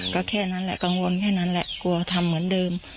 ก็แค่นั้นแหละกังวลแค่นั้นแหละกลัวทำเหมือนเดิม